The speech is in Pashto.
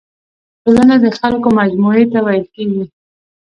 ټولنه د خلکو مجموعي ته ويل کيږي.